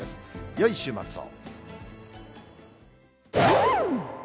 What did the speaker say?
よい週末を。